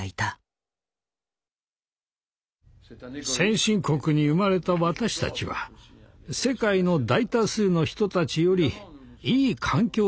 先進国に生まれた私たちは世界の大多数の人たちよりいい環境で暮らせています。